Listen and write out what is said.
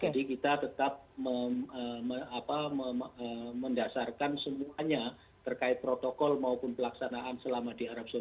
jadi kita tetap mendasarkan semuanya terkait protokol maupun pelaksanaan selama di arab saudi